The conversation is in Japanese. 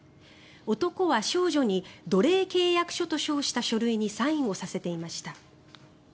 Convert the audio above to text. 男は少女に奴隷契約書と称した書類にサインをさせていました。